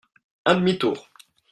Un demi tour.